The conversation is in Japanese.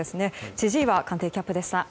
千々岩官邸キャップでした。